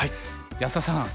安田さん